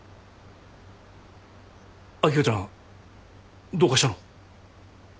秋香ちゃんどうかしたの？